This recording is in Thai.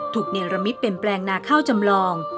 เนรมิตเป็นแปลงนาข้าวจำลอง